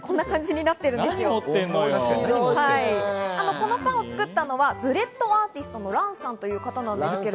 このパンを作ったのはブレッドアーティストのＲａｎさんという方です。